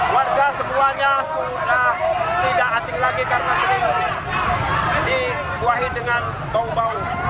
warga semuanya sudah tidak asik lagi karena sering dikuahin dengan bau bau